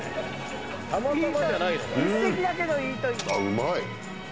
うまい。